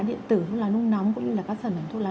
điện tử thuốc lá nung nóng cũng như là các sản phẩm thuốc lá